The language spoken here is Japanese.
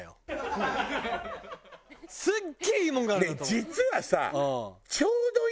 実はさ。